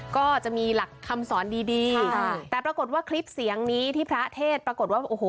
ก็จะมีหลักคำสอนดีดีค่ะแต่ปรากฏว่าคลิปเสียงนี้ที่พระเทศปรากฏว่าโอ้โห